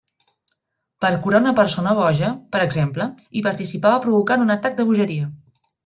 Per curar una persona boja, per exemple, hi participava provocant un atac de bogeria.